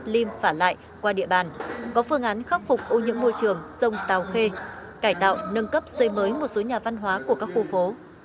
lim phản lại qua địa bàn có phương án khắc phục ô nhiễm môi trường sông tàu khê cải tạo nâng cấp xây mới một số nhà văn hóa của các khu phố